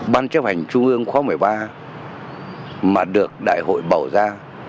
ban chấp hành trung ương khóa một mươi ba mà được đại hội bầu ra